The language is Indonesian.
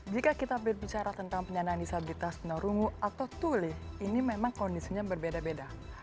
jika kita berbicara tentang penyandang disabilitas norungu atau tuli ini memang kondisinya berbeda beda